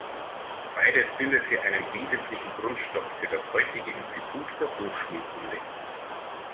Beides bildete einen wesentlichen Grundstock für das heutige Institut für Hochschulkunde.